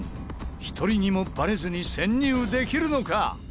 １人にもバレずに潜入できるのか？